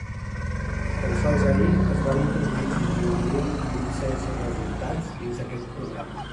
Tan sols ahir es van introduir vint-i-un mil vuit-cents resultats dins aquest programa.